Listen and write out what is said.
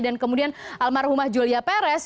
dan kemudian almarhumah julia perez